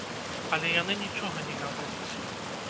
Але яны нічога не гавораць.